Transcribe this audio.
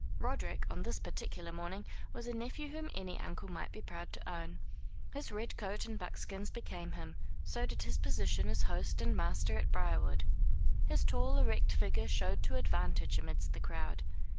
Roderick, on this particular morning, was a nephew whom any uncle might be proud to own. His red coat and buckskins became him; so did his position as host and master at Briarwood. His tall erect figure showed to advantage amidst the crowd.